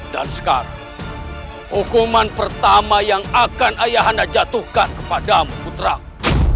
dan sekarang hukuman pertama yang akan ayah anda jatuhkan kepadamu putraku